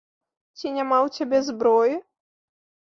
Ці няма ў цябе зброі?!